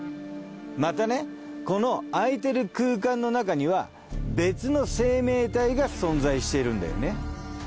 またねこの開いてる空間の中には別の生命体が存在しているんだよね。